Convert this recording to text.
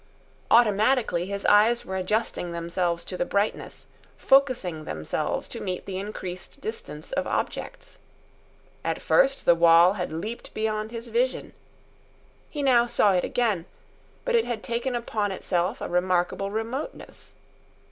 Automatically, his eyes were adjusting themselves to the brightness, focusing themselves to meet the increased distance of objects. At first, the wall had leaped beyond his vision. He now saw it again; but it had taken upon itself a remarkable remoteness.